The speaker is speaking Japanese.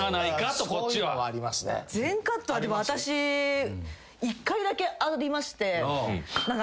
全カット私一回だけありまして。